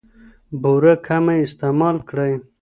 بوره کمه استعمال کړئ.